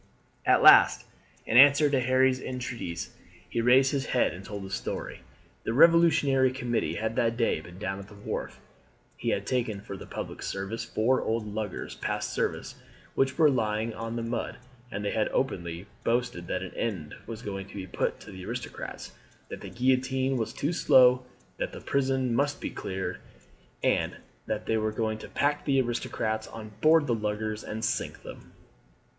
At last, in answer to Harry's entreaties, he raised his head and told the story. The Revolutionary Committee had that day been down at the wharf, and had taken for the public service four old luggers past service which were lying on the mud, and they had openly boasted that an end was going to put to the aristocrats; that the guillotine was too slow, that the prison must be cleared, and that they were going to pack the aristocrats on board the luggers and sink them.